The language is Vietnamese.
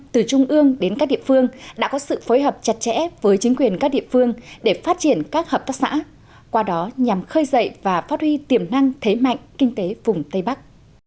từ trung ương đến các địa phương đã có sự phối hợp chặt chẽ với chính quyền các địa phương để phát triển các hợp tác xã qua đó nhằm khơi dậy và phát huy tiềm năng thế mạnh kinh tế vùng tây bắc